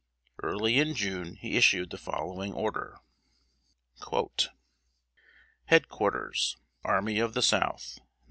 Early in June he issued the following order: "HEAD QUARTERS, ARMY OF THE SOUTH,} No.